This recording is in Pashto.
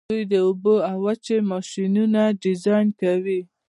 دوی د اوبو او وچې ماشینونه ډیزاین کوي.